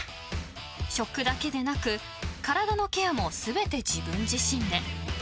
［食だけでなく体のケアも全て自分自身で］